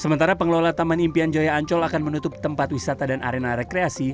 sementara pengelola taman impian jaya ancol akan menutup tempat wisata dan arena rekreasi